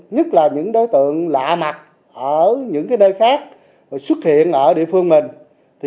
nhất là những đối tượng lạ mặt ở những nơi khác xuất hiện ở địa phương mình